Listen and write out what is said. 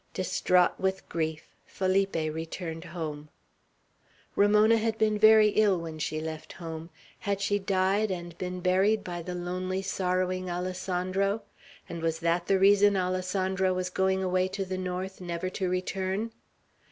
Distraught with grief, Felipe returned home. Ramona had been very ill when she left home. Had she died, and been buried by the lonely, sorrowing Alessandro? And was that the reason Alessandro was going away to the North, never to return?